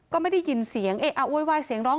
ก็ไม่ได้ยินเสียงเอ๊ะอะโวยวายเสียงร้อง